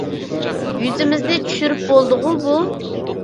يۈزىمىزنى چۈشۈرۈپ بولدىغۇ بۇ.